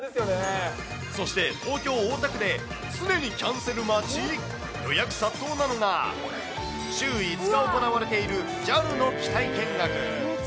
そして東京・大田区で常にキャンセル待ち、予約殺到なのが、週５日行われているＪＡＬの機体見学。